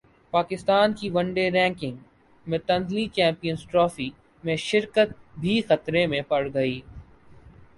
پاکستان کی one day ranking میں تنزلی چیمپئنز ٹرافی میں شرکت بھی خطرے میں پڑگئی